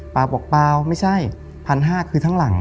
บอกเปล่าไม่ใช่๑๕๐๐คือทั้งหลัง